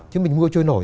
chứ mình mua trôi nổi